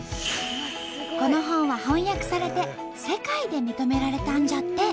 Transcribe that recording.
この本は翻訳されて世界で認められたんじゃって。